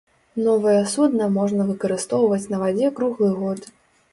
Новае судна можна выкарыстоўваць на вадзе круглы год.